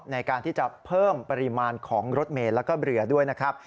ในการที่จะเพิ่มปริมาณของรถเมย์แล้วก็เรือด้วยนะครับ